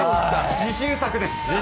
自信作です。